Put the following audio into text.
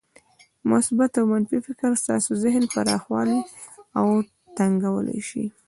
مثبت او منفي فکر ستاسې ذهن پراخولای او تنګولای شي.